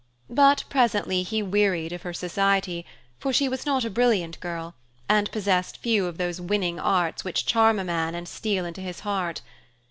But presently he wearied of her society, for she was not a brilliant girl, and possessed few of those winning arts which charm a man and steal into his heart.